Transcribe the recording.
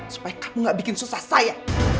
supaya kamu gak bikin susah saya